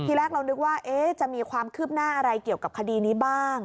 แรกเรานึกว่าจะมีความคืบหน้าอะไรเกี่ยวกับคดีนี้บ้าง